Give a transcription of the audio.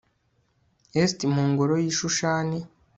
Est Mu ngoro y i Shushani